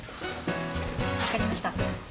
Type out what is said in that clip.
分かりました。